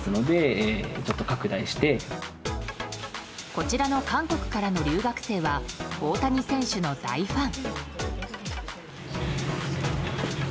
こちらの韓国からの留学生は大谷選手の大ファン。